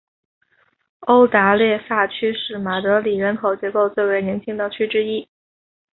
欧达列萨区是马德里人口结构最为年轻的区之一。